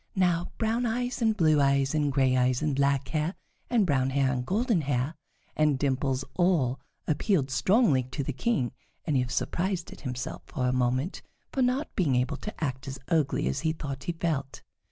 Now brown eyes and blue eyes and gray eyes and black hair and brown hair and golden hair and dimples all appealed strongly to the King, and he was surprised at himself for a moment for not being able to act as ugly as he thought he felt.